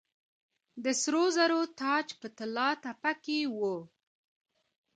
د سرو زرو تاج په طلا تپه کې و